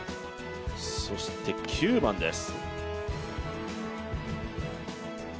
そして９番です。